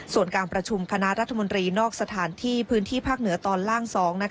ส่วนการประชุมคณะรัฐมนตรีนอกสถานที่พื้นที่ภาคเหนือตอนล่าง๒